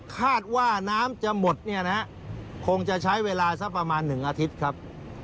คาดว่าน้ำจะหมดเนี่ยนะฮะคงจะใช้เวลาสักประมาณ๑อาทิตย์ครับ